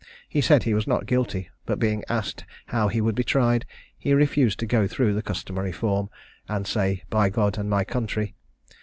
He said he was not guilty; but being asked how he would be tried, he refused to go through the customary form, and say, "By God, and my country."